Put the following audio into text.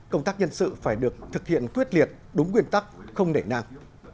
công tác nhân sự phải được thực hiện quyết liệt đúng nguyên tắc không nể năng